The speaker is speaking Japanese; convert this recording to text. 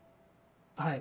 はい。